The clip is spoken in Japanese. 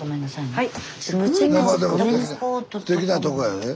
はい。